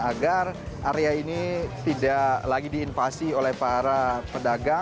agar area ini tidak lagi diinvasi oleh para pedagang